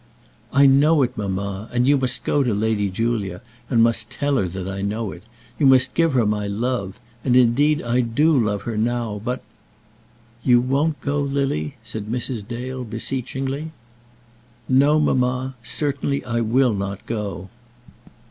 "I know it, mamma; and you must go to Lady Julia, and must tell her that I know it. You must give her my love. And, indeed, I do love her now. But " "You won't go, Lily?" said Mrs. Dale, beseechingly. "No, mamma; certainly I will not go."